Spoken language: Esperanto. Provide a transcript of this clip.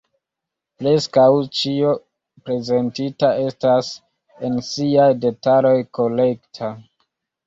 Preskaŭ ĉio prezentita estas en siaj detaloj korekta.